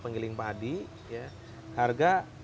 pengiling padi ya harga